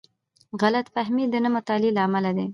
غلط فهمۍ د نه مطالعې له امله دي.